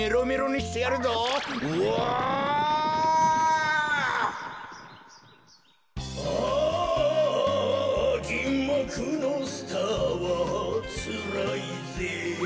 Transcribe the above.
「ああぎんまくのスターはつらいぜぇ」